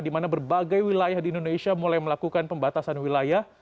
dimana berbagai wilayah di indonesia mulai melakukan pembatasan wilayah